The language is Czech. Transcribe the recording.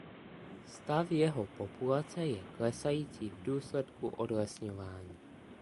Stav jeho populace je klesající v důsledku odlesňování.